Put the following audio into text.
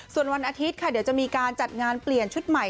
ส่วนวันอาทิตย์ค่ะเดี๋ยวจะมีการจัดงานเปลี่ยนชุดใหม่